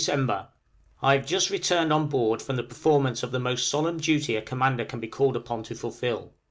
_ I have just returned on board from the performance of the most solemn duty a commander can be called upon to fulfil.